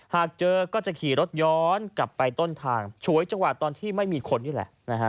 หากเจอก็จะขี่รถย้อนกลับไปต้นทางฉวยจังหวะตอนที่ไม่มีคนนี่แหละ